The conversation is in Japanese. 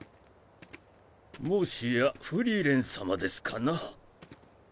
もしやフリーレン様ですかな？